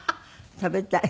食べたい。